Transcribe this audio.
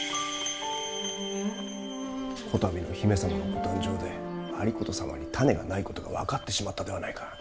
こたびの姫様のご誕生で有功様に胤がないことが分かってしまったではないか。